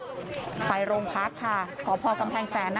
โชว์บ้านในพื้นที่เขารู้สึกยังไงกับเรื่องที่เกิดขึ้น